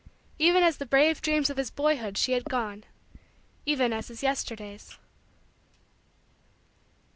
Even as the brave dreams of his boyhood she had gone even as his Yesterdays.